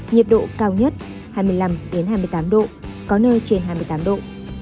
nhiệt độ cao nhất hai mươi năm hai mươi tám độ có nơi trên hai mươi tám độ